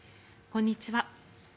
こんにちは。